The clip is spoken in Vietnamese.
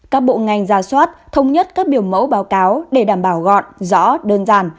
các bộ ngành ra soát thống nhất các biểu mẫu báo cáo để đảm bảo gọn rõ đơn giản